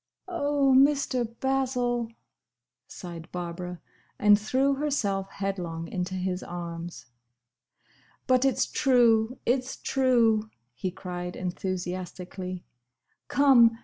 '" "Oh, Mr. Basil!" sighed Barbara, and threw herself headlong into his arms. "But it's true!—It's true!" he cried enthusiastically. "Come!